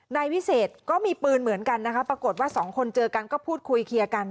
นายวิเศษก็มีปืนเหมือนกันนะคะปรากฏว่าสองคนเจอกันก็พูดคุยเคลียร์กัน